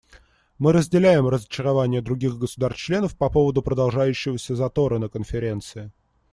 Мы разделяем разочарование других государств-членов по поводу продолжающегося затора на Конференции.